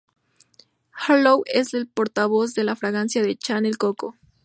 Harlow es la portavoz de la fragancia de Chanel "Coco".